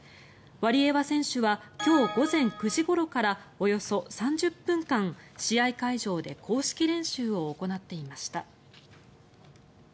ワリエワ選手は今日午前９時ごろからおよそ３０分間、試合会場で公式練習を行っていました。